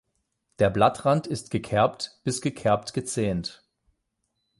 Der Blattrand ist gekerbt bis gekerbt-gezähnt.